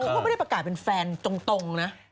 เขาก็ไม่ได้ประกาศเป็นแฟนตรงนะ